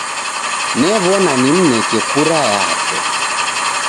New'ona nimneke kura yapo.